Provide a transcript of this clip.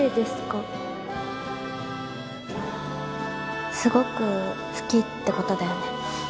・すごく好きってことだよね？